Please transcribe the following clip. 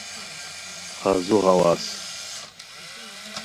خازو ہواز